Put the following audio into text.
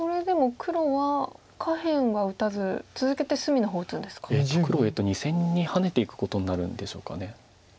黒は２線にハネていくことになるんでしょうか。